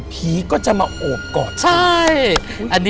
ผีก็จะมาโอกกอด